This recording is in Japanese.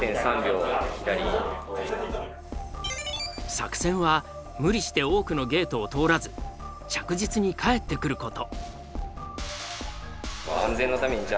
作戦はムリして多くのゲートを通らず着実に帰ってくること。